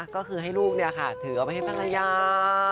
ก็คือให้ลูกถือเอาไปให้ภรรยา